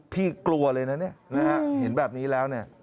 กลัวเลยนะเนี่ยนะฮะเห็นแบบนี้แล้วเนี่ย